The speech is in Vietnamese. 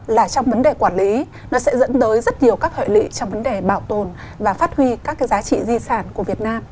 là trong vấn đề quản lý nó sẽ dẫn tới rất nhiều các hệ lụy trong vấn đề bảo tồn và phát huy các cái giá trị di sản của việt nam